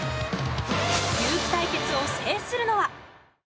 ゆうき対決を制するのは？